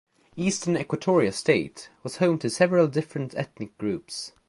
Eastern Equatoria state was home to several different ethnic groups.